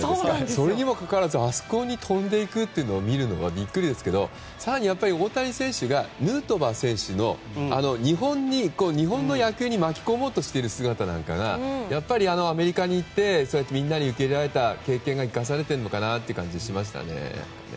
それにもかかわらずあそこに飛んでいくのを見るのはビックリですけど更に、大谷選手がヌートバー選手を日本の野球に巻き込もうとしている姿なんかアメリカに行ってみんなに受け入れられた経験が生かされているのかなという感じがしましたね。